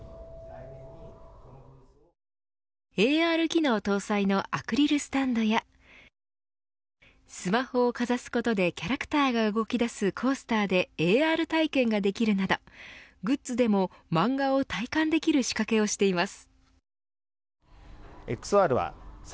ＡＲ機能搭載のアクリルスタンドやスマホをかざすことでキャラクターが動きだすコースターでＡＲ体験ができるなどグッズでも漫画を体感できる仕掛けをしています。